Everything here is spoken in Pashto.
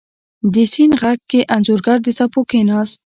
د سیند غیږ کې انځورګر د څپو کښېناست